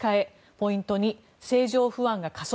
ポイント２、政情不安が加速。